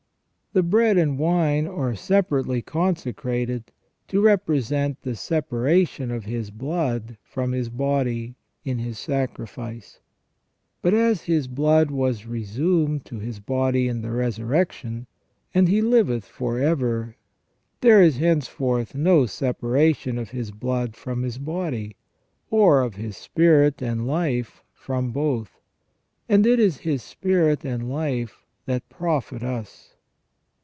The bread and wine are separately consecrated, to represent the separation of His blood from His body in His sacrifice. But as His blood was resumed to His body in the resurrection, and He liveth for ever, there is hence forth no separation of His blood from His body, or of His spirit and life from both ; and it is His spirit and life that profit us.